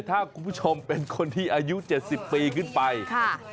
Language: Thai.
ถ้าคุณผู้ชมเป็นคนที่อายุ๗๐ปีขึ้นฝั่ง